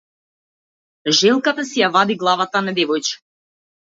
Желката си ја вади главата на девојче.